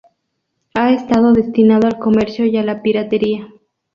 Ha estado destinado al comercio y a la piratería.